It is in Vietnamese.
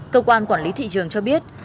cơ quan quản lý thị trường cho biết